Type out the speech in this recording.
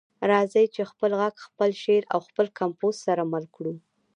راځئ چې خپل غږ، خپل شعر او خپل کمپوز سره مل کړو.